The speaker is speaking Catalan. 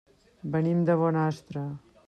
Venim de Bonastre.